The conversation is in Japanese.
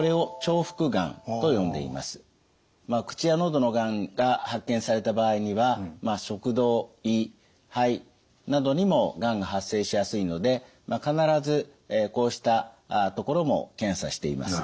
口や喉のがんが発見された場合には食道・胃・肺などにもがんが発生しやすいので必ずこうしたところも検査しています。